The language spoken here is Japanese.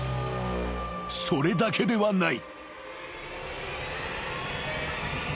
［それだけではない］